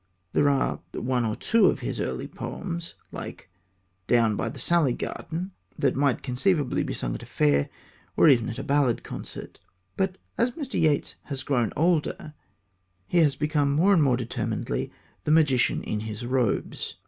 There are one or two of his early poems, like Down by the Sally Garden, that might conceivably be sung at a fair or even at a ballad concert. But, as Mr. Yeats has grown older, he has become more and more determinedly the magician in his robes.